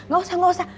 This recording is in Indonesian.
gak usah gak usah